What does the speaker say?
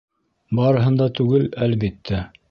Барыһын да түгел, әлбиттә.